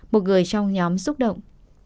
một người trong nhóm xúc động